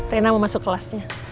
reina mau masuk kelasnya